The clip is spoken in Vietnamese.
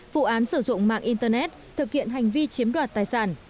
vụ án sử dụng mạng internet thực hiện hành vi chiếm đoạt tài sản